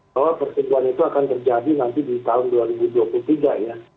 bahwa pertemuan itu akan terjadi nanti di tahun dua ribu dua puluh tiga ya